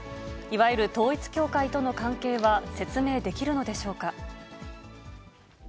いわゆる統一教会との関係は、説明できるのでしょうか。